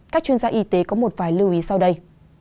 các chuyên gia y tế có một vài lưu ý sau đây